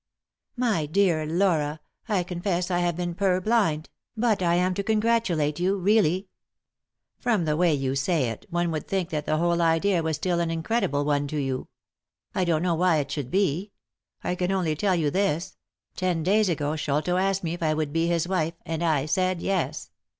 " My dear Laura, I confess I have been purblind ; but am I to congratulate you, really ?" "From the way you say it one would think that the whole idea was still an incredible one to you. I don't know why it should be. I can only tell you this : ten days ago Sholto asked me if I would be his wife, and I said ' Yes.'